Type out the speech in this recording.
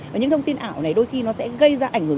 và những thông tin ảo này đôi khi nó sẽ gây ra ảnh hưởng